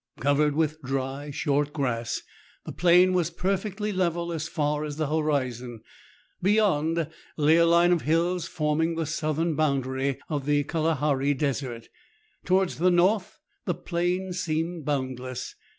Covered with dry, short grass, the plain was perfectly level as far as the horizon. Behind lay a line of hills forming the southern boundary of the Kalahari desert ; towards the north the plain seemed boundless.